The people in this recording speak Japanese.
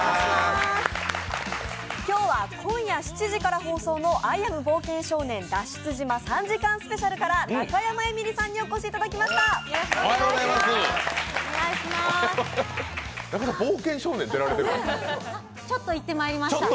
今日は今夜７時から放送の「アイ・アム・冒険少年脱出島２時間スペシャル」から中山エミリさんにお越しいただきました。